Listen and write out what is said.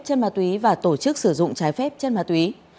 chân ma túy và tổ chức sử dụng trái phép chân ma túy